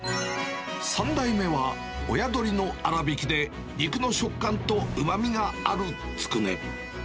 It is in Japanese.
３代目は親鶏の粗びきで肉の食感とうまみがあるつくね。